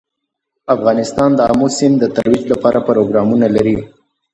افغانستان د آمو سیند د ترویج لپاره پروګرامونه لري.